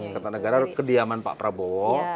kertanegara kediaman pak prabowo